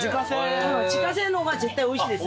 自家製の方が絶対おいしいです。